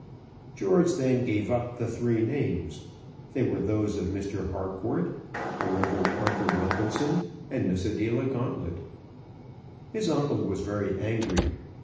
George then gave up the three names. They were those of Mr. Harcourt, the Rev. Arthur Wilkinson, and Miss Adela Gauntlet. His uncle was very angry.